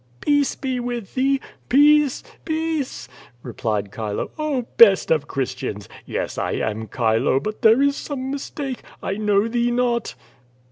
"Peace be with thee! peace! peace!" replied Chilo. "Oh best of Christians! yes I am Chilo, but there is some mistalte — I know thee not!"